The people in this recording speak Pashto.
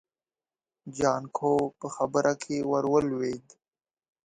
جانکو په خبره کې ور ولوېد.